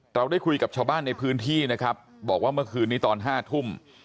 เราได้คุยกับชาวบ้านในพื้นที่นะครับบอกว่าเมื่อคืนนี้ตอน๕ทุ่ม